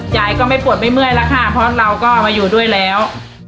ยายก็ไม่ปวดไม่เมื่อยแล้วค่ะเพราะเราก็มาอยู่ด้วยแล้ว